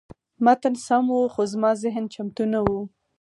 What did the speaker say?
متن سم و، خو زما ذهن چمتو نه و.